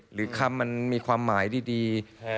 หรือคำมันมีความหมายดี